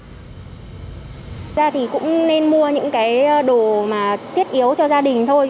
thực ra thì cũng nên mua những cái đồ mà thiết yếu cho gia đình thôi